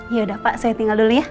yaudah pak saya tinggal dulu ya